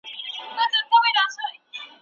د بې جوړې نقيب زړه سپين دی لکه ستا اننگي